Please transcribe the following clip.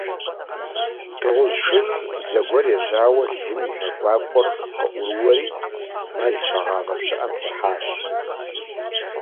Дыгъужь шырыр зэгуэр ежьауэ лым и мэ гуакӀуэр къыӀурыуэри, мэл щагъавэ пщыӀэм техьащ.